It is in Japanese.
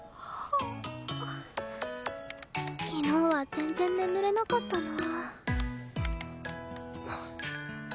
昨日は全然眠れなかったな